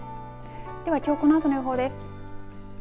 ではきょうこのあとの予報です。